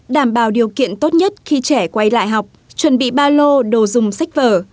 đảm bảo điều kiện tốt nhất khi trẻ quay lại học chuẩn bị ba lô đồ dùng sách vở